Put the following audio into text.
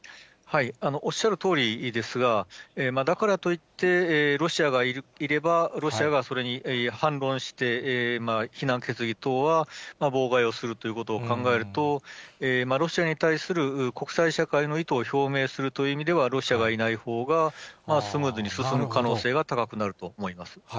おっしゃるとおりですが、だからといってロシアがいれば、ロシアがそれに反論して、非難決議等は妨害をするということを考えると、ロシアに対する国際社会の意図を表明するという意味では、ロシアがいないほうがスムーズに進む可能性が高くなると思います。